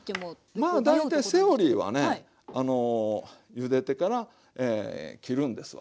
まあ大体セオリーはねゆでてから切るんですわ。